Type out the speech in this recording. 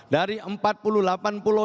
dari empat puluh delapan pulau